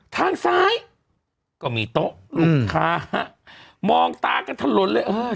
ทางซ้ายก็มีโต๊ะลูกค้ามองตาก็ตรนไปเล่น